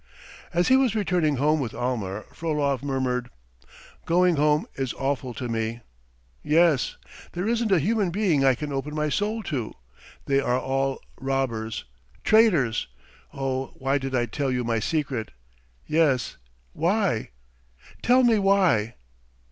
As he was returning home with Almer, Frolov murmured: "Going home is awful to me! Yes! ... There isn't a human being I can open my soul to. ... They are all robbers ... traitors .... Oh, why did I tell you my secret? Yes ... why? Tell me why?"